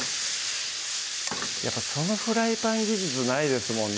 やっぱそのフライパン技術ないですもんね